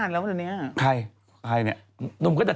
จากกระแสของละครกรุเปสันนิวาสนะฮะ